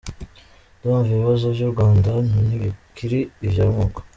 Ndumva ibibazo vy’U Rwanda ntibikiri ivya moko!